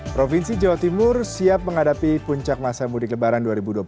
provinsi jawa timur siap menghadapi puncak masa mudik lebaran dua ribu dua puluh tiga